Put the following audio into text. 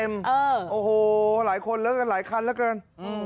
โอ้โหหลายคนเลิกกันหลายคันแล้วเกิน